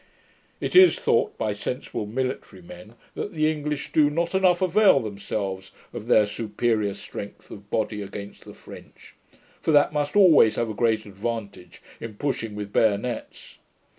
It is thought by sensible military men, that the English do not enough avail themselves of their superior strength of body against the French; for that must always have a great advantage in pushing with bayonets.